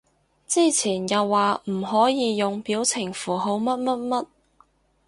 之前又話唔可以用表情符號乜乜乜